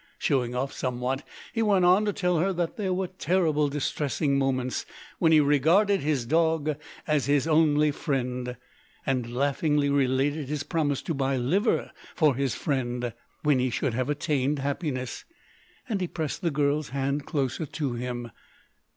Showing off somewhat, he went on to tell her that there were terrible, distressing moments, when he regarded his dog as his only friend, and laughingly related his promise to buy liver for his friend, when he should have attained happiness—and he pressed the girl's hand closer to him.